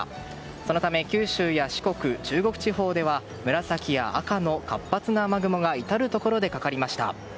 そのため九州や四国・中国地方では紫や赤の活発な雨雲が至るところでかかりました。